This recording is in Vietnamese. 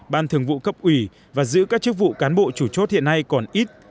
ban thường vụ cấp ủy và giữ các chức vụ cán bộ chủ chốt hiện nay còn ít